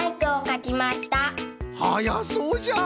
はやそうじゃ！